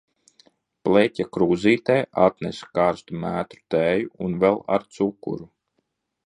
Bleķa krūzītē atnesa karstu mētru tēju un vēl ar cukuru.